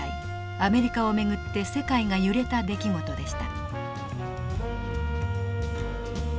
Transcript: アメリカを巡って世界が揺れた出来事でした。